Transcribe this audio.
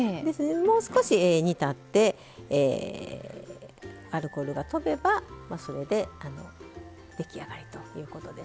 もう少し煮立ってアルコールがとべばそれで出来上がりということですね。